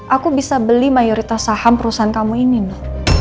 aku bisa beli mayoritas saham perusahaan kamu ini loh